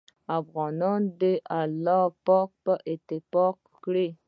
افغانان دې الله پاک په اتفاق کړي